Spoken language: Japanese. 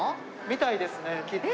みたいですねきっと。